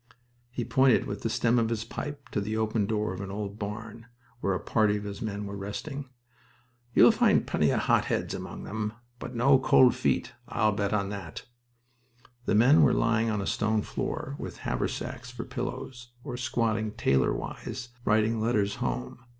He pointed with the stem of his pipe to the open door of an old barn, where a party of his men were resting. "You'll find plenty of hot heads among them, but no cold feet. I'll bet on that." The men were lying on a stone floor with haversacks for pillows, or squatting tailor wise, writing letters home.